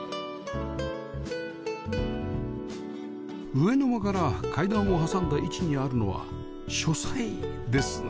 上の間から階段を挟んだ位置にあるのは書斎ですね